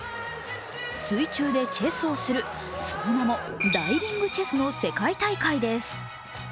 水中でチェスをする、その名もダイビングチェスの世界大会です。